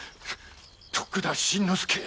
徳田新之助。